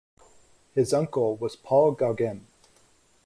His uncle was Paul Gauguin.